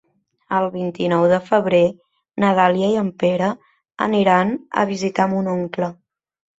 El vint-i-nou de febrer na Dàlia i en Pere aniran a visitar mon oncle.